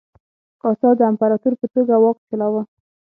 کاسا د امپراتور په توګه واک چلاوه.